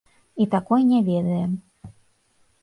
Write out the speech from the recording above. І такой не ведаем.